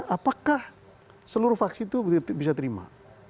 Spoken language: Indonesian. apakah seluruh fraksi itu bisa terima